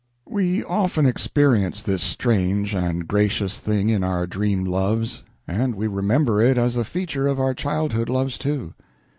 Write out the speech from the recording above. We often experience this strange and gracious thing in our dream loves; and we remember it as a feature of our childhood loves, too.